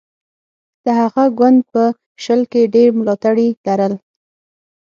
د هغه ګوند په شل کې ډېر ملاتړي لرل.